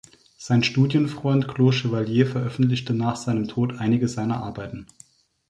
Sein Studien-Freund Claude Chevalley veröffentlichte nach seinem Tod einige seiner Arbeiten.